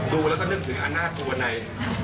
ดูแล้วก็นึกถึงอันน่าโกบริ